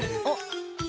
あっ。